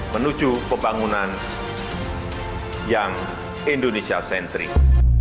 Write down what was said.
menuju pembangunan yang indonesia sentris